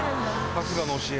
春日の教え。